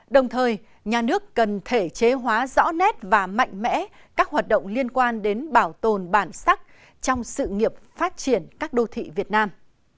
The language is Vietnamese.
đồng thời nhà nước cần thể chế hóa rõ nét và mạnh mẽ các hoạt động liên quan đến bảo tồn bản sắc trong sự nghiệp phát triển các đô thị việt nam